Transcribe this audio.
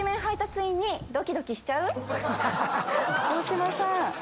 大島さん。